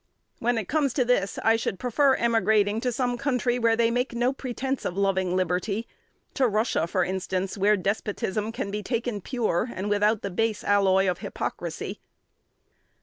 When it comes to this, I should prefer emigrating to some country where they make no pretence of loving liberty, to Russia, for instance, where despotism can be taken pure, and without the base, alloy of hypocrisy.